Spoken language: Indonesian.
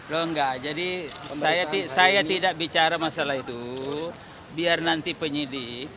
loh enggak jadi saya tidak bicara masalah itu biar nanti penyidik